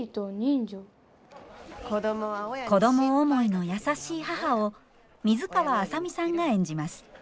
子供思いの優しい母を水川あさみさんが演じます。